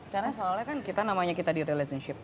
karena soalnya kan kita namanya kita di relationship